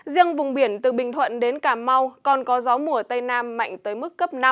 riêng vùng biển từ bình thuận đến cà mau còn có gió mùa tây nam mạnh tới mức cấp năm